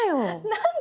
何で？